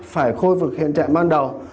phải khôi phục hiện trạng ban đầu